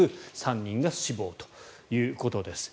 ３人が死亡ということです。